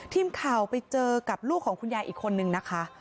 ทีมข่าวไปเจอกับลูกของคุณยายอีกคนนึงนะคะ